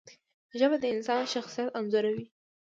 ژبه د انسان شخصیت انځوروي